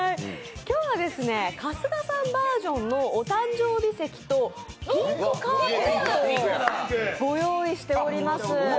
今日は、春日さんバージョンのお誕生日席とピンクカーペットをご用意しております。